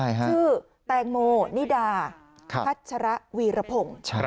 ชื่อแตงโมนิดาพัชระวีรพงศ์